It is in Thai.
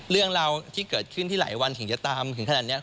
เรื่องราวที่เกิดขึ้นที่หลายวันถึงจะตามถึงขนาดนี้